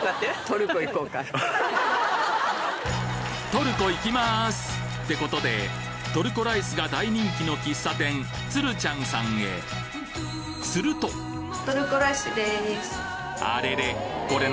トルコ行きます！って事でトルコライスが大人気の喫茶店「ツル茶ん」さんへするとあれれ？